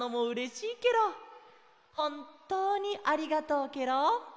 ほんとうにありがとうケロ。